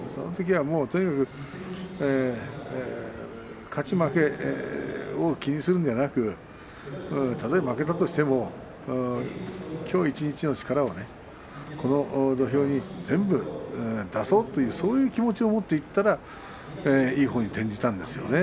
とにかく勝ち負けを気にするのではなくたとえ負けたとしてもきょう一日の力をこの土俵に全部出そうというそういう気持ちを持つことによっていい方向に転じていきました。